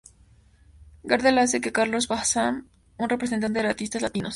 Gardel hace de Carlos Bazán, un representante de artistas latinos.